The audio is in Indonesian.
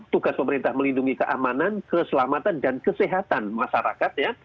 tugas pemerintah melindungi keamanan keselamatan dan kesehatan masyarakat ya